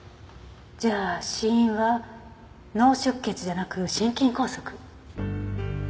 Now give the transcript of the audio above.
じゃあ死因は脳出血じゃなく心筋梗塞。